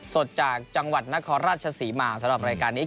สดจากจังหวัดนครราชศรีมาสำหรับรายการนี้